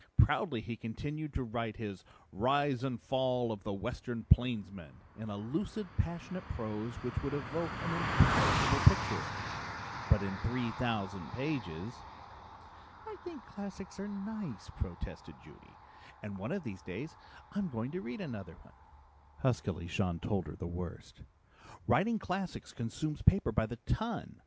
Proudly he continued to write his Rise and Fall of the Western Plainsman in a lucid, passionate prose which would evoke an imperishable picture but in three thousand pages." "I think classics are nice," protested Judy, "and one of these days I'm going to read another one." Huskily Jean told her the worst. "Writing classics consumes paper by the ton.